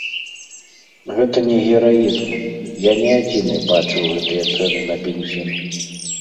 Гэта не гераізм, я не адзіны бачыў гэтыя цэны на бензін.